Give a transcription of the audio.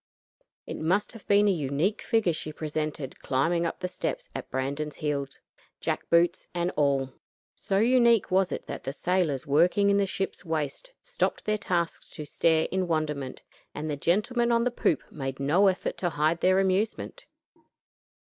It must have been a unique figure she presented climbing up the steps at Brandon's heels, jack boots and all. So unique was it that the sailors working in the ship's waist stopped their tasks to stare in wonderment, and the gentlemen on the poop made no effort to hide their amusement.